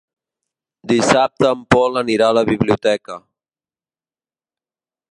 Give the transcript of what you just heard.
Dissabte en Pol anirà a la biblioteca.